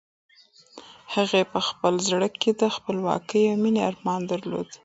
هغې په خپل زړه کې د خپلواکۍ او مېنې ارمان درلود.